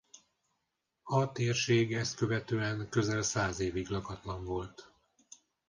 A térség ezt követően közel száz évig lakatlan volt.